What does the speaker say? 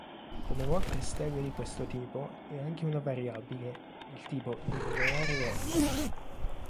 Come molte stelle di questo tipo è anche una variabile, del tipo irregolare lenta.